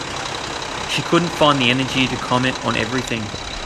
She couldn’t find the energy to comment on everything.